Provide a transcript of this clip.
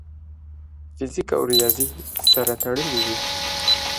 فزیک او ریاضي سره تړلي دي.